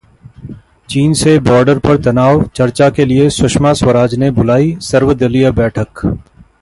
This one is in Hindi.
चीन से बॉर्डर पर तनाव, चर्चा के लिए सुषमा स्वराज ने बुलाई सर्वदलीय बैठक